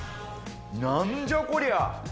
なんじゃこりゃ。